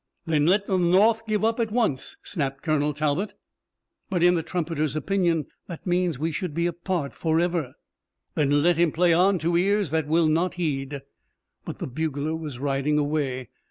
"Then let the North give up at once," snapped Colonel Talbot. "But in the trumpeter's opinion that means we should be apart forever." "Then let him play on to ears that will not heed." But the bugler was riding away.